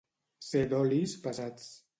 Ser d'olis pesats.